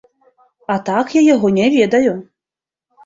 А так я яго не ведаю.